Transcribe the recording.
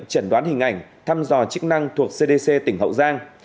chẩn đoán hình ảnh thăm dò chức năng thuộc cdc tỉnh hậu giang